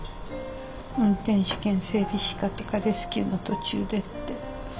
「運転手兼整備士か」とか「レスキューの途中で」って。